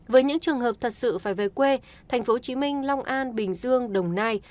với những trường hợp thật sự phải về quê thành phố hồ chí minh long an bình dương đồng nai